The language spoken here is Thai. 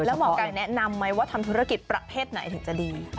แล้วหมอไก่แนะนำไหมว่าทำธุรกิจประเภทไหนถึงจะดี